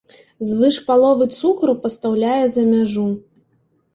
Звыш паловы цукру пастаўляе за мяжу.